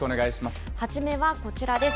初めはこちらです。